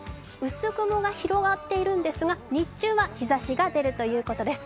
薄雲が広がっているんですが、日中は日ざしが出るということです。